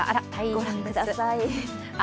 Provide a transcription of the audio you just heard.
ご覧ください。